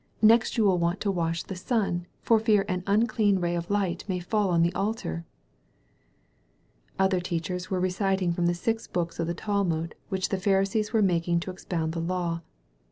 Next you will want to wash the sun for fear an unclean ray of light may fall on the altar !" Other teachers were reciting from the six books of the Talmud which the Pharisees were making to expound the law.